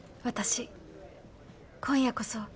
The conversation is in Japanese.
私今夜こそ。